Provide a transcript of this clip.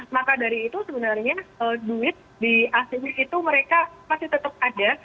maka dari itu sebenarnya duit di asing itu mereka masih tetap ada